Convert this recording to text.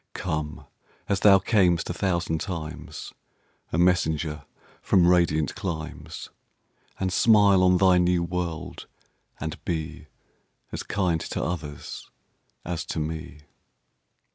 Come, as thou cam'st a thousand times,A messenger from radiant climes, And smile on thy new world; and beAs kind to others as to me.